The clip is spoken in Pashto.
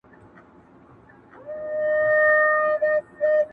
را لېږلي یاره دا خلګ خزان دي .